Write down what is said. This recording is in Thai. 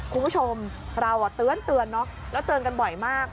คุณผู้ชมเราเตือนเนอะแล้วเตือนกันบ่อยมาก